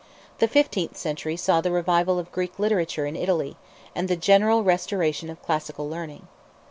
The fifteenth century saw the revival of Greek literature in Italy, and the general restoration of classical learning.